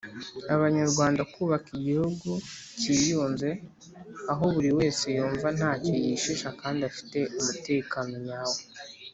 abanyarwanda kubaka igihugu cyiyunze aho buri wese yumva ntacyo yishisha kandi afite umutekano nyawo.